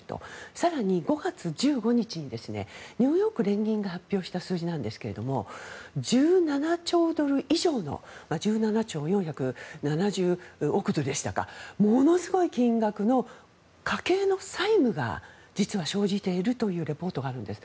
更に５月１５日にニューヨーク連銀が数字なんですが１７兆ドル以上の１７兆４７０億ドルでしたかものすごい金額の家計の債務が実は生じているというリポートがあるんです。